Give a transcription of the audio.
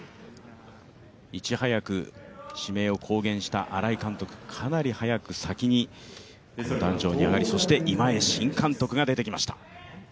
いち早く指名を公言した新井監督、かなり早く、先に壇上に上がりそして、今江新監督が出てきました。